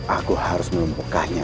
aku harus menumpukkannya